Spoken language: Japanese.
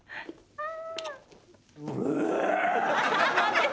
ああ！